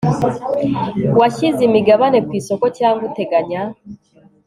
washyize imigabane ku isoko cyangwa uteganya